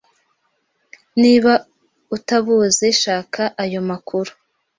Niba utabuzi, shaka ayo makuru